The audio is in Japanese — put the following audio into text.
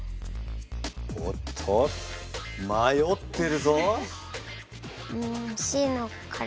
おっと迷ってるぞ？